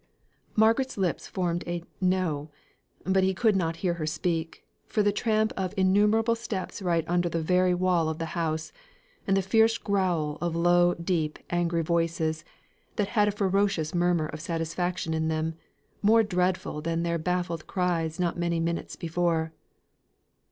Margaret's lips formed a "No!" but he could not hear her speak, for the tramp of innumerable steps right under the very wall of the house, and the fierce growl of low deep angry voices that had a ferocious murmur of satisfaction in them, more dreadful than their baffled cries not many minutes before.